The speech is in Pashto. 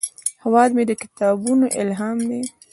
هیواد مې د کتابونو الهام دی